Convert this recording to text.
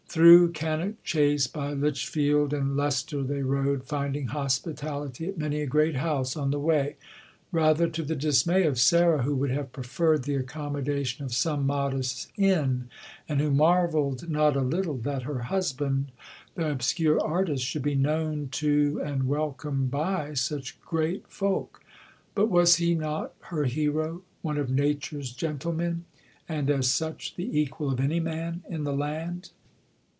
Through Cannock Chase, by Lichfield and Leicester, they rode, finding hospitality at many a great house on the way, rather to the dismay of Sarah, who would have preferred the accommodation of some modest inn, and who marvelled not a little that her husband, the obscure artist, should be known to and welcomed by such great folk. But was he not her hero, one of "Nature's gentlemen," and as such the equal of any man in the land?